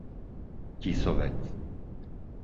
Tisovec